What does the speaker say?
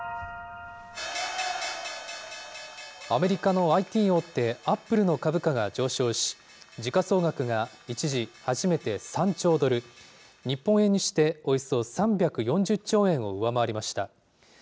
アメリカのＩＴ大手、アップルの株価が上昇し、時価総額が一時、初めて３兆ドル、日本円にしておよそ３４０兆円を上回りました。